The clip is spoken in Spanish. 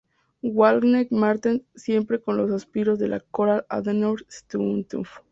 Wolfgang Mertens, siempre con los auspicios de la Konrad-Adenauer-Stiftung.